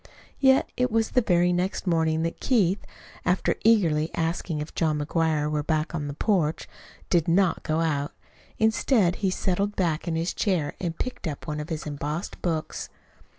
Yet it was the very next morning that Keith, after eagerly asking if John McGuire were on the back porch, did not go out. Instead he settled back in his chair and picked up one of his embossed books.